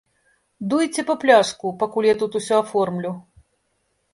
Дуйце па пляшку, пакуль я тут усё аформлю.